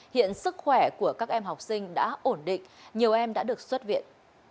hiện sức khỏe của các em học sinh đã ổn định nhiều em đã được xuất viện